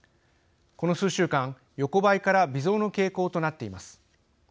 この数週間、横ばいから微増の傾向となっています。